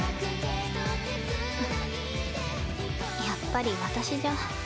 やっぱり私じゃ。